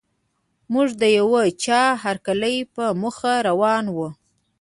موږ د یوه چا هرکلي په موخه روان وو.